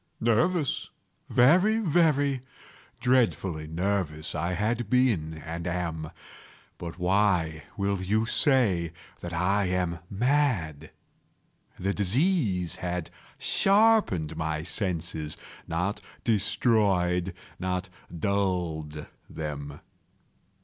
—nervous—very, very dreadfully nervous I had been and am; but why will you say that I am mad? The disease had sharpened my senses—not destroyed—not dulled them.